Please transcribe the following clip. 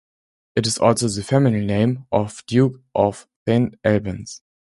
It is also the family name of the Duke of Saint Albans.